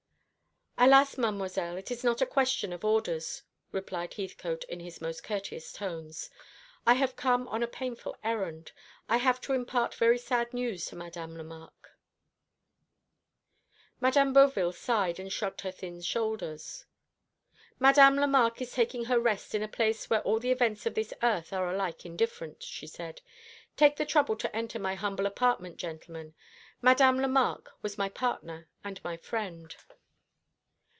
"Alas, Mademoiselle, it is not a question of orders," replied Heathcote, in his most courteous tones. "I have come on a painful errand. I have to impart very sad news to Madame Lemarque." Madame Beauville sighed and shrugged her thin shoulders. "Madame Lemarque is taking her rest in a place where all the events of this earth are alike indifferent," she said. "Take the trouble to enter my humble apartment, gentlemen. Madame Lemarque was my partner and my friend."